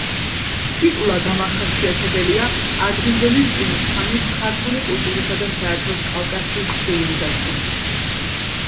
სიტულა დამახასიათებელია ადრინდელი რკინის ხანის ქართული კულტურისა და საერთოდ კავკასიის ცივილიზაციისათვის.